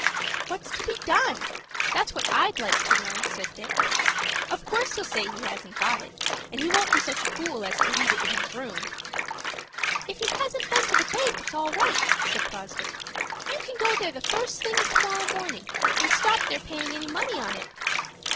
"What's to be done? That's what I'd like to know," said Dick. "Of course he'll say he hasn't got it; and he won't be such a fool as to leave it in his room." "If he hasn't been to the bank, it's all right," said Fosdick. "You can go there the first thing to morrow morning, and stop their paying any money on it."